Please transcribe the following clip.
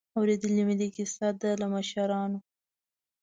اورېدلې مې کیسه ده له مشرانو.